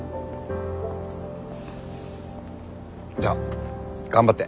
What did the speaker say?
じゃあ頑張って。